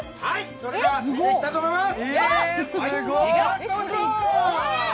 それでは、よそっていきたいと思います。